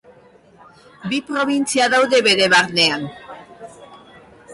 Bi probintzia daude bere barnean.